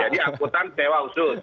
jadi angkutan sewa khusus